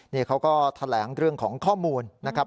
นี่เขาก็แถลงเรื่องของข้อมูลนะครับ